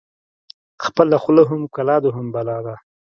ـ خپله خوله هم کلا ده هم بلا ده.